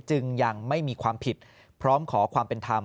จึงยังไม่มีความผิดพร้อมขอความเป็นธรรม